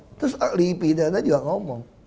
iya terus akli pidana juga ngomong